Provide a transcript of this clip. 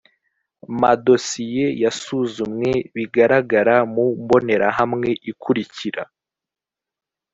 madosiye yasuzumwe bigaragara mu mbonerahamwe ikurikira